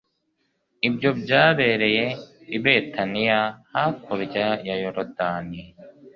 ibyo byabereye i betaniya hakurya ya yorodani